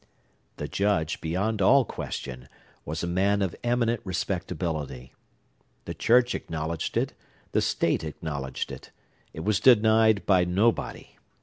The Judge, beyond all question, was a man of eminent respectability. The church acknowledged it; the state acknowledged it. It was denied by nobody.